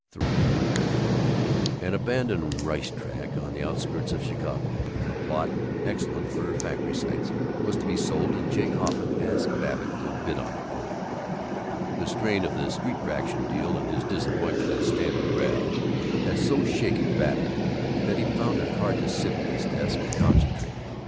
III An abandoned race track on the outskirts of Chicago, a plot excellent for factory sites, was to be sold, and Jake Offut asked Babbitt to bid on it for him. The strain of the Street Traction deal and his disappointment in Stanley Graff had so shaken Babbitt that he found it hard to sit at his desk and concentrate.